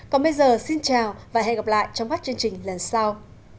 còn bây giờ xin chào và hẹn gặp lại trong các chương trình lần sau